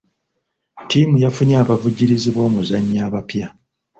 Ttiimu yafunye abavujjirizi b'omuzannyo abapya.